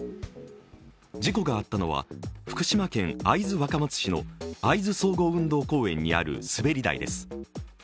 事故があったのは福島県会津若松市の会津総合運動公園にある滑り台です。